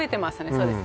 そうです